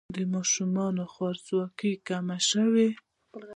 د ماشومانو خوارځواکي کمه شوې؟